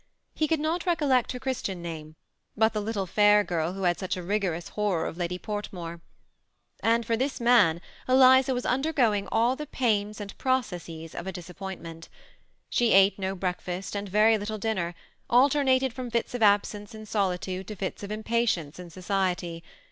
He could not recollect her Christian name, but the little fair girl who had such a righteous horror of Lady Portmore* And for this man Eliza was undergoing all the pains and processes of a disappointment She ate no breakfast and very little dinner, alternated from fits of absence in solitude to fits of impatience in society.